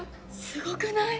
すごくない？